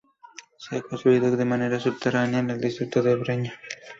Será construida de manera subterránea en el distrito de Breña.